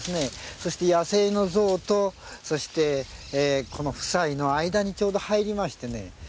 そして、野生の象とそして、この夫妻の間にちょうど入りましてね